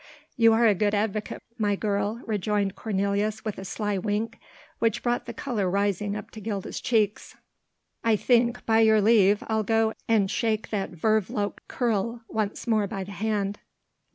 "You are a good advocate, my girl," rejoined Cornelius with a sly wink which brought the colour rushing up to Gilda's cheeks. "I think, by your leave, I'll go and shake that vervloekte Keerl once more by the hand....